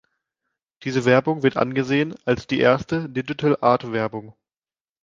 Diese Werbung wird angesehen als die erste Digital Art-Werbung.